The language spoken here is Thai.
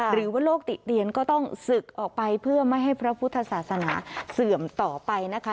หรือว่าโลกติเตียนก็ต้องศึกออกไปเพื่อไม่ให้พระพุทธศาสนาเสื่อมต่อไปนะคะ